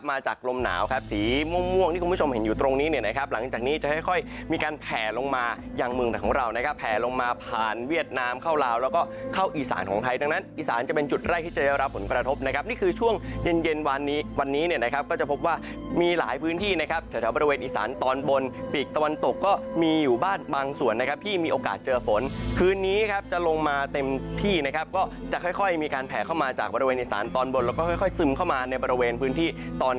มาจากลมหนาวครับสีม่วงที่คุณผู้ชมเห็นอยู่ตรงนี้นะครับหลังจากนี้จะค่อยมีการแผลลงมายังเมืองของเรานะครับแผลลงมาผ่านเวียดนามเข้าลาวแล้วก็เข้าอิสานของไทยดังนั้นอิสานจะเป็นจุดแรกที่จะได้รับผลประทบนะครับนี่คือช่วงเย็นวันนี้วันนี้นะครับก็จะพบว่ามีหลายพื้นที่นะครับเฉพาะบริเวณอิสานตอนบน